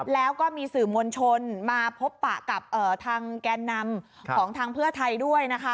แล้วก็มีสื่อมวลชนมาพบปะกับทางแกนนำของทางเพื่อไทยด้วยนะคะ